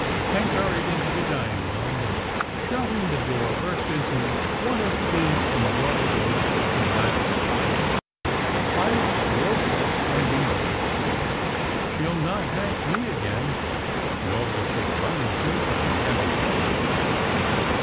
Hank hurried into the dining room, and shutting the door, burst into one of his enjoyable fits of laughter. " I've broke that plunging will. She'll not Hank me again, nor will she run in search of a happy home."